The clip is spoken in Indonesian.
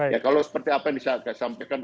ya kalau seperti apa yang disampaikan